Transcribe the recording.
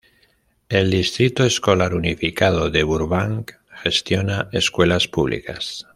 El Distrito Escolar Unificado de Burbank gestiona escuelas públicas.